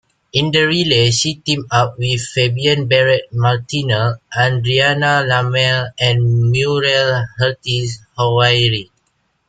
In the relay, she teamed up with Fabienne Beret-Martinel, Adrianna Lamalle and Muriel Hurtis-Houairi.